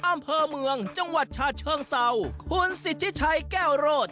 อำเภอเมืองจังหวัดฉาเชิงเศร้าคุณสิทธิชัยแก้วโรด